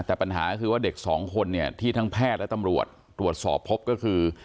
แต่ปัญหาก็คือว่าเด็กสองคนเนี่ยที่ทั้งแพทย์และตำรวจตรวจสอบพบก็คือ